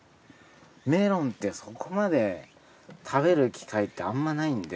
メロンってそこまで食べる機会ってあんまないんで。